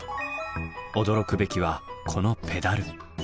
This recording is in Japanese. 驚くべきはこのペダル。